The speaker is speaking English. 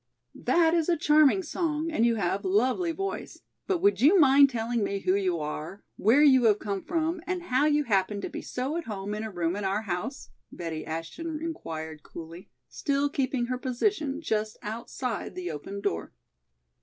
"That is a charming song and you have lovely voice, but would you mind telling me who you are, where you have come from and how you happen to be so at home in a room in our house?" Betty Ashton inquired, coolly, still keeping her position just outside the opened door.